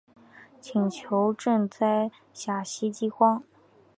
请求赈灾陕西饥荒。